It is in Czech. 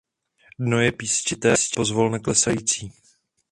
Dno je písčité a pozvolna klesající.